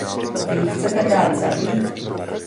Vy ji chcete dát zabít?